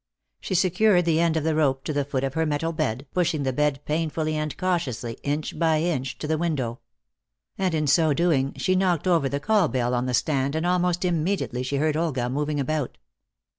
She secured the end of the rope to the foot of her metal bed, pushing the bed painfully and cautiously, inch by inch, to the window. And in so doing she knocked over the call bell on the stand, and almost immediately she heard Olga moving about.